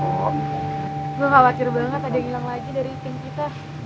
gue gak wakil banget ada yang hilang lagi dari team kita